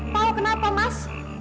tau kenapa emas